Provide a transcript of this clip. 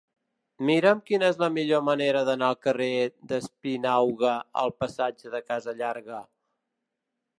Mira'm quina és la millor manera d'anar del carrer d'Espinauga al passatge de Casa Llarga.